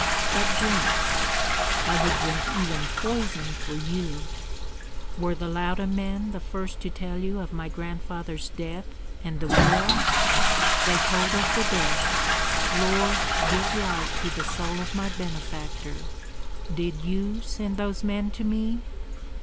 "But drink." "I would drink even poison for you!" "Were the Lauda men the first to tell you of my grandfather's death and the will?" "They told of the death. Lord, give light to the soul of my benefactor! Did you send those men to me?"